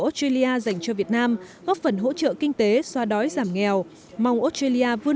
australia dành cho việt nam góp phần hỗ trợ kinh tế xoa đói giảm nghèo mong australia vươn